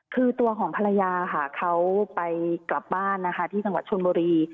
คือตัวของภรรยาค่ะเขาไปกลับบ้านนะคะที่จังหวัดชนบุรี